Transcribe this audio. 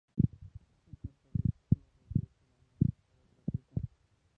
Se encuentra abierto todos los días del año, la entrada es gratuita.